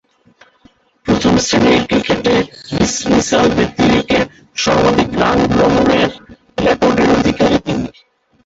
প্রথম-শ্রেণীর ক্রিকেটে ডিসমিসাল ব্যতিরেকে সর্বাধিক রান সংগ্রহের রেকর্ডের অধিকারী তিনি।